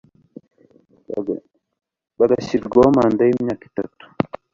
bagashyiriwaho manda y imyaka itatu